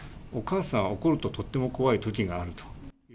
お母さん怒るととっても怖いときがあると。